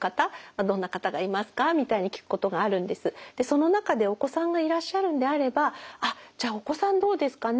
その中でお子さんがいらっしゃるんであればあっじゃあお子さんどうですかね？